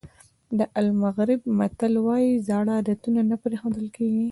د المغرب متل وایي زاړه عادتونه نه پرېښودل کېږي.